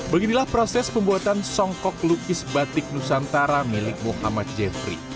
beginilah proses pembuatan songkok lukis batik nusantara milik muhammad jeffrey